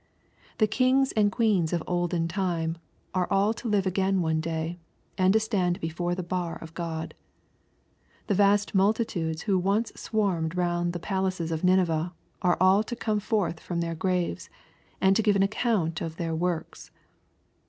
The kings and queens of olden time are all to live again one day, and to stand before the bar of God. The vast multitudes who once swarmed round ihe palaces of Nineveh are all to come forth from their graves, and to give an account of their works.